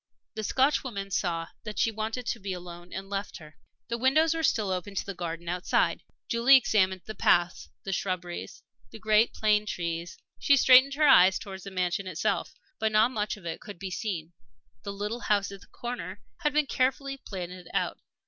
The Scotchwoman saw that she wanted to be alone and left her. The windows were still open to the garden outside. Julie examined the paths, the shrubberies, the great plane trees; she strained her eyes towards the mansion itself. But not much of it could be seen. The little house at the corner had been carefully planted out.